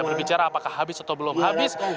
berbicara apakah habis atau belum habis